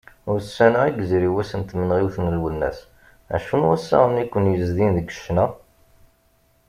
Ussan-a, i yezri wass n tmenɣiwt n Lwennas, acu n wassaɣen i aken-yezdin deg ccna?